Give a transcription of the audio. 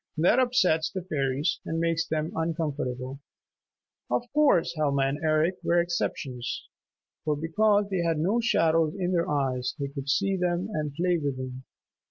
That upsets the fairies and makes them uncomfortable. Of course Helma and Eric were exceptions, for because they had no shadows in their eyes they could see them and play with them.